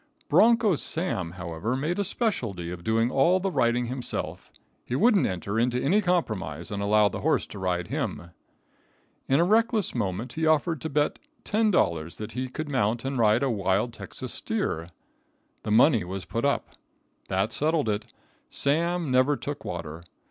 Broncho Sam, however, made a specialty of doing all the riding himself. He wouldn't enter into any compromise and allow the horse to ride him. In a reckless moment he offered to bet ten dollars that he could mount and ride a wild Texas steer. The money was put up. That settled it. Sam never took water.